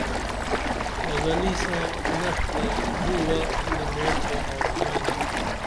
کاگلی ساں نڜ تہ گوہ لِمیٹ بہ آسمانہ